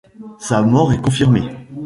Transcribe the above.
Sa mort est confirmée.